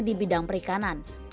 di bidang perikanan